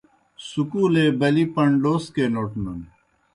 سکولے بلِی پنڈَوسکے نوٹنَن۔